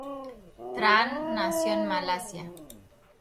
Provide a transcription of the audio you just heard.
Tran nació en Malasia.